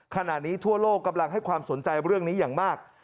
ขณะนี้ทั่วโลกกำลังให้ความสนใจเรื่องนี้อย่างมาก